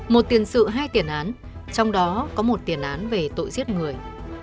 một tiền sự hai tiền án trong đó có một tiền án về tội giết người